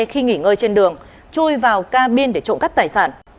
khi nghỉ ngơi trên đường chui vào ca biên để trộn cắt tài sản